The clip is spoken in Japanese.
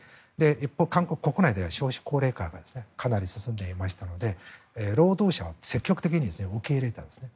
一方、韓国国内では少子高齢化がかなり進んでいましたので労働者を積極的に受け入れたんですね。